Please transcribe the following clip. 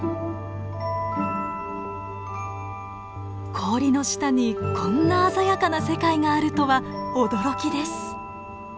氷の下にこんな鮮やかな世界があるとは驚きです。